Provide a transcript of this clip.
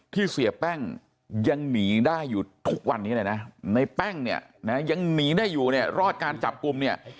เสียแป้งยังหนีได้อยู่ทุกวันนี้เนี่ยนะในแป้งเนี่ยนะยังหนีได้อยู่เนี่ยรอดการจับกลุ่มเนี่ย